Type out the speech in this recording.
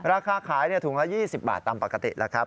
ราคาขายถุงละ๒๐บาทตามปกติแล้วครับ